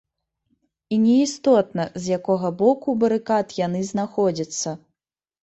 І не істотна, з якога боку барыкад яны знаходзяцца.